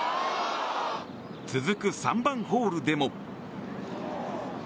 続く３番ホールでも。